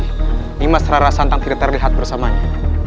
ini mas rara santang tidak terlihat bersamanya